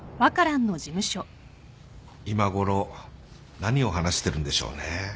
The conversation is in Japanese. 今ごろ何を話してるんでしょうね。